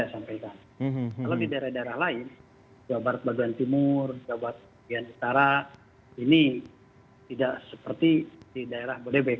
kalau di daerah daerah lain jawa barat bagian timur jawa bagian utara ini tidak seperti di daerah bodebek